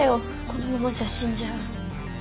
このままじゃ死んじゃう。